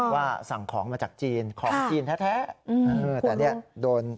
ว่าสั่งของมาจากจีนของจีนแท้แต่เนี่ยโดน